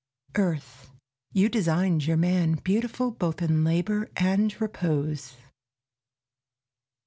.. Earth, you designed your man Beautiful both in labour, and repose.